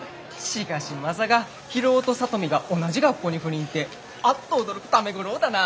しかしまさか博夫と里美が同じ学校に赴任ってアッと驚く為五郎だな。